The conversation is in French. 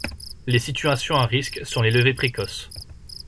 Les situations à risques sont les levées précoces.